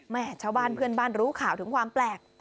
แหมชาวบ้านรู้ข่าวถึงความแปลก